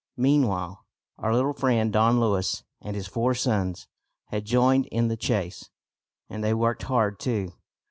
Meanwhile, our little friend Don Luis and his four sons had joined in the chase, and they worked hard too.